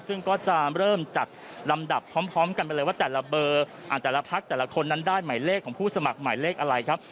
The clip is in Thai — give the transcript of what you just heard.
ซึ่งก็จะเริ่มจัดลำดับพร้อมกันไปเลยว่าแต่ละเบอร์แต่ละพักแต่ละคนนั้นได้หมายเลขของผู้สมัครหมายเลขอะไรครับ